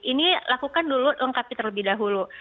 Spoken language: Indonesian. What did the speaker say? ini lakukan dulu lengkapi terlebih dahulu